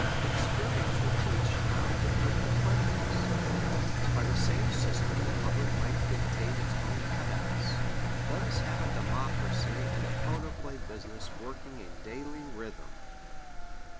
Experience will teach how to put the queries. By the same system the public might dictate its own cut outs. Let us have a democracy and a photoplay business working in daily rhythm.